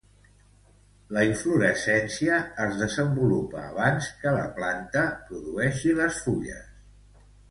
La inflorescència es desenvolupa abans que la planta produïsca les fulles.